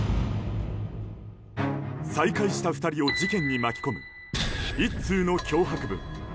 再開した２人を事件に巻き込む１通の脅迫文。